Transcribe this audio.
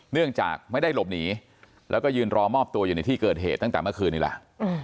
เนื่องจากไม่ได้หลบหนีแล้วก็ยืนรอมอบตัวอยู่ในที่เกิดเหตุตั้งแต่เมื่อคืนนี้ล่ะ